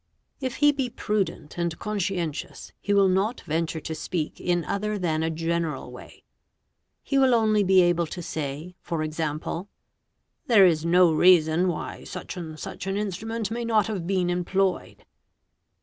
Tf he be tudent and conscientious he will not venture to speak in other than general way; he will only be able to say, for example, '" there is no reason why such and such an instrument may not have been employed "'.